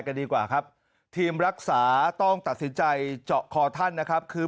กันดีกว่าครับทีมรักษาต้องตัดสินใจเจาะคอท่านนะครับคือ